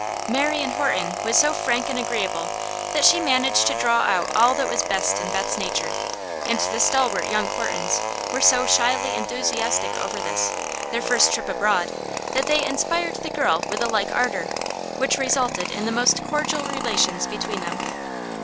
Marion Horton was so frank and agreeable that she managed to draw out all that was best in Beth's nature, and the stalwart young Hortons were so shyly enthusiastic over this, their first trip abroad, that they inspired the girl with a like ardor, which resulted in the most cordial relations between them.